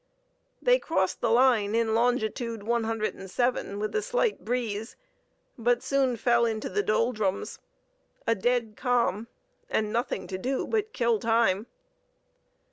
They crossed the line in longitude 107, with a slight breeze, but soon fell into the Doldrums. A dead calm, and nothing to do but kill time....